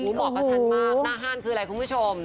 เหมาะกับฉันมากหน้าห้านคืออะไรคุณผู้ชม